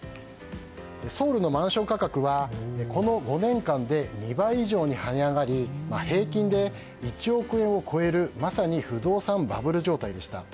ソウルのマンション価格はこの５年間で平均で１億円を超えるまさに不動産バブル状態でした。